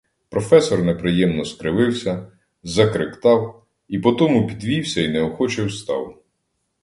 Професор неприємно скривився, закректав і по тому підвівся й неохоче встав.